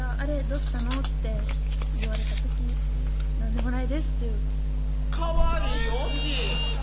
どうしたの？」って言われた時「なんでもないです♥」っていうかわいいオチ！